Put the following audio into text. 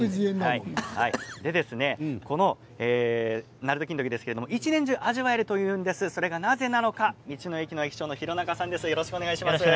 なると金時ですけど一年中味わえるというんですなぜなのか道の駅の駅長の廣中さんです。